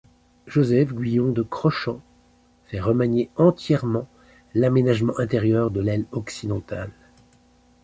Joseph Guyon de Crochans fait remanier entièrement l'aménagement intérieur de l'aile occidentale.